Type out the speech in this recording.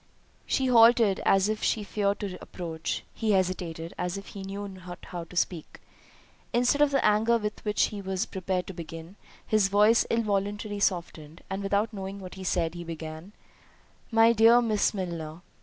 She halted, as if she feared to approach—he hesitated, as if he knew not how to speak. Instead of the anger with which he was prepared to begin, his voice involuntarily softened, and without knowing what he said, he began, "My dear Miss Milner."